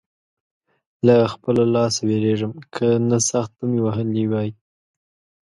له خپله لاسه وېرېږم؛ که نه سخت به مې وهلی وې.